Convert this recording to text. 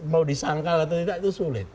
mau disangkal atau tidak itu sulit